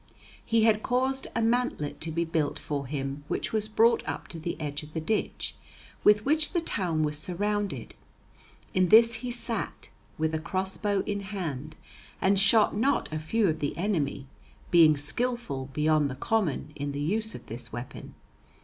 He had caused a mantlet to be built for him which was brought up to the edge of the ditch with which the town was surrounded. In this he sat, with a cross bow in hand, and shot not a few of the enemy, being skilful beyond the common in the use of this weapon.